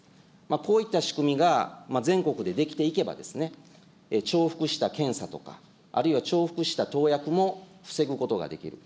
こういった仕組みが全国でできていけば、重複した検査とか、あるいは重複した投薬も防ぐことができる。